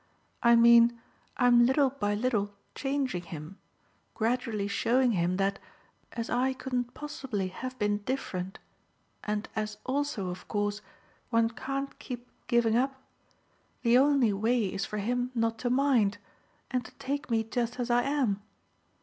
I mean I'm little by little changing him gradually showing him that, as I couldn't possibly have been different, and as also of course one can't keep giving up, the only way is for him not to mind, and to take me just as I am.